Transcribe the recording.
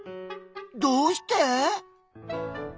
どうして？